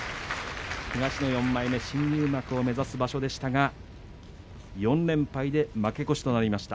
東の４枚目、新入幕を目指す場所でしたが４連敗で負け越しとなりました。